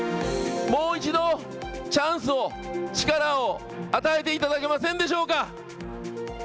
もう一度、チャンスを、力を与えていただけませんでしょうか。